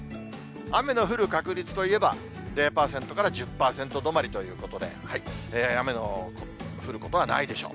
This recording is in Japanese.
雨の降る確率といえば、０％から１０％止まりということで、雨の降ることはないでしょう。